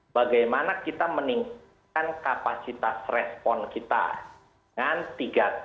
bagaimana kita meningkatkan kapasitas respon kita dengan tiga t